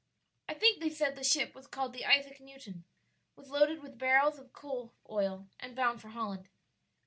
"I think they said the ship was called the Isaac Newton, was loaded with barrels of coal oil, and bound for Holland."